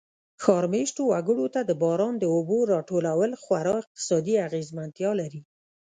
ښار مېشتو وګړو ته د باران د اوبو را ټول خورا اقتصادي اغېزمنتیا لري.